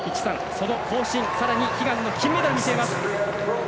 その更新、さらに悲願の金メダルを見据えます。